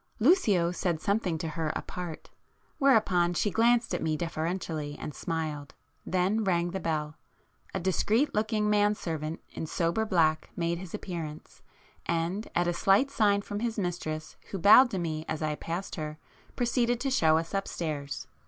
Lucio said something to her apart,—whereupon she glanced at me deferentially and smiled,—then rang the bell. A discreet looking man servant in sober black made his appearance, and at a slight sign from his mistress who bowed to me as I passed her, proceeded to show us upstairs.